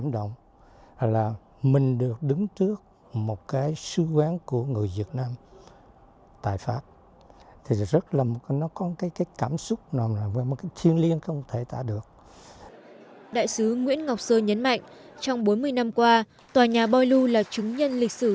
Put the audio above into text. đại sứ nguyễn ngọc sơ nhấn mạnh trong bốn mươi năm qua tòa nhà boilu là chứng nhân lịch sử